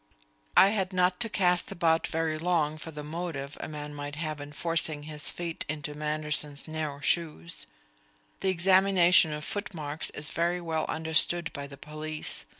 I had not to cast about very long for the motive a man might have in forcing his feet into Manderson's narrow shoes. The examination of footmarks is very well understood by the police.